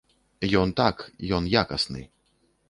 Ён так, ён якасны.